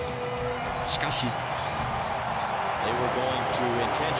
しかし。